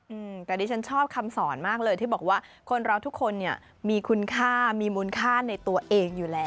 อืมแต่ดิฉันชอบคำสอนมากเลยที่บอกว่าคนเราทุกคนเนี่ยมีคุณค่ามีมูลค่าในตัวเองอยู่แล้ว